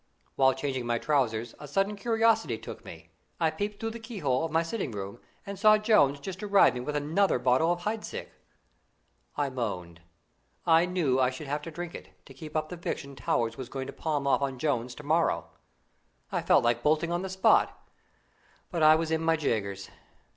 While changing my trousers, a sudden curiosity took me. I peeped through the keyhole of my sitting room, and saw Jones just arriving with another bottle of Heidsieck. I groaned. I knew I should have to drink it, to keep up the fiction Towers was going to palm off on Jones to morrow. I felt like bolting on the spot, but I was in my Jaegers.